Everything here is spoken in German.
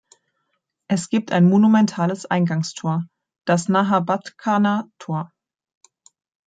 Es gibt ein monumentales Eingangstor, das Nahabatkhana-Tor.